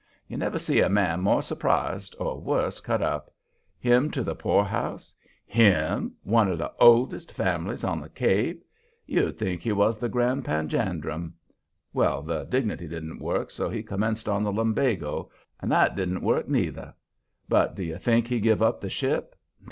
You never see a man more surprised or worse cut up. Him to the poorhouse? HIM one of the oldest families on the Cape? You'd think he was the Grand Panjandrum. Well, the dignity didn't work, so he commenced on the lumbago; and that didn't work, neither. But do you think he give up the ship?